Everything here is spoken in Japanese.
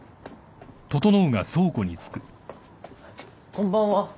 こんばんは。